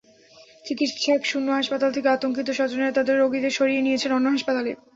চিকিৎসকশূন্য হাসপাতাল থেকে আতঙ্কিত স্বজনেরা তাঁদের রোগীদের সরিয়ে নিয়েছেন অন্য হাসপাতালে।